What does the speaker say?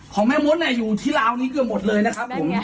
ของแม่มดอยู่ที่ลาวนี้เกือบหมดเลยนะครับผม